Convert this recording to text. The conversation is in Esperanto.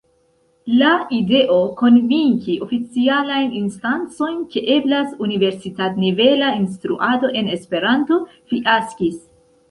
La ideo konvinki oficialajn instancojn, ke eblas universitat-nivela instruado en Esperanto, fiaskis.